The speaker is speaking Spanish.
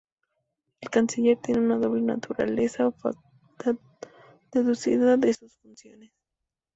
El canciller tiene una doble naturaleza o facultad deducida de sus funciones.